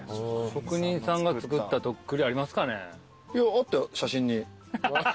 職人さんが作った徳利ありますかね。